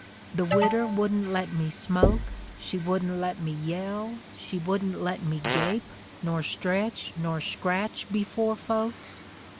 The widder wouldn't let me smoke; she wouldn't let me yell, she wouldn 't let me gape, nor stretch, nor scratch, before folks.